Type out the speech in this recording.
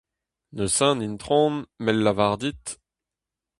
Neuze, Itron, m'hel lavar dit :